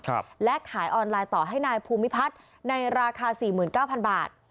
ครับและขายออนไลน์ต่อให้นายภูมิพัฒน์ในราคาสี่หมื่นเก้าพันบาท